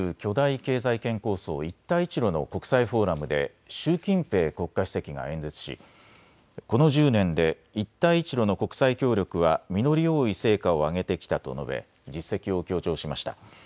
中国が主導する巨大経済圏構想、一帯一路の国際フォーラムで習近平国家主席が演説しこの１０年で一帯一路の国際協力は実り多い成果を上げてきたと述べ実績を強調しました。